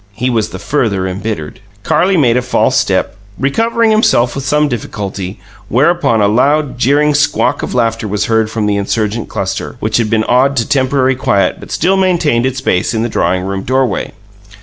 He was the further embittered. Carlie made a false step, recovering himself with some difficulty, whereupon a loud, jeering squawk of laughter was heard from the insurgent cluster, which had been awed to temporary quiet but still maintained its base in the drawing room doorway.